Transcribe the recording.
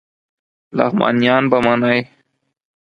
لغمانیان به منی